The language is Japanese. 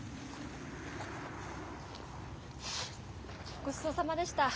ごちそうさまでした。